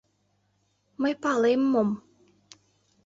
Мый палем, мом...